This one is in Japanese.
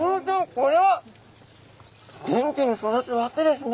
これは元気に育つわけですね。